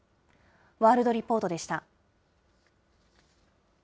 ワールドリポートでした。